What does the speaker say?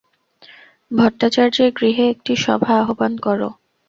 ভট্টাচার্যের গৃহে একটি সভা আহ্বান কর।